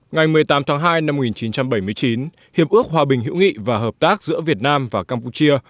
ngày một mươi tám tháng hai năm một nghìn chín trăm bảy mươi chín hiệp ước hòa bình hữu nghị và hợp tác giữa việt nam và campuchia